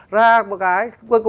ra một cái